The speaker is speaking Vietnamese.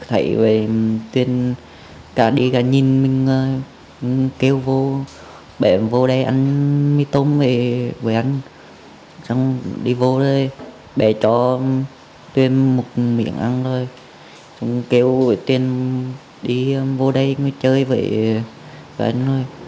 hắn kêu với tuyên đi vô đây chơi với anh